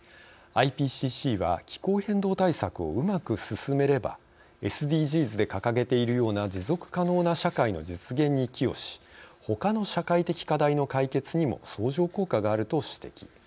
ＩＰＣＣは気候変動対策をうまく進めればＳＤＧｓで掲げているような持続可能な社会の実現に寄与しほかの社会的課題の解決にも相乗効果があると指摘。